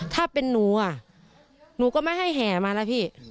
ถ้าเป็นหนูอ่ะหนูก็ไม่ให้แห่มาแล้วพี่